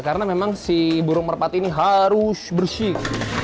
karena memang si burung merpati ini harus bersih